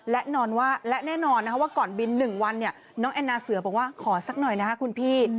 และแน่นอนนะคะว่าก่อนบิน๑วันน้องแอนนาเสือบอกว่าขอสักหน่อยนะคะคุณพี่